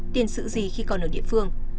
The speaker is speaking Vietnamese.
tiền sự gì khi còn ở địa phương